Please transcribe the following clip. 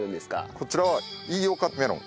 こちらは飯岡メロン。